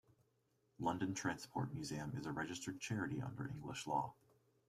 London Transport Museum is a registered charity under English law.